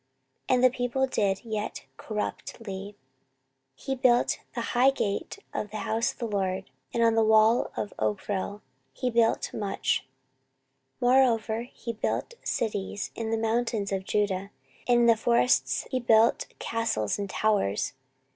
And the people did yet corruptly. 14:027:003 He built the high gate of the house of the LORD, and on the wall of Ophel he built much. 14:027:004 Moreover he built cities in the mountains of Judah, and in the forests he built castles and towers.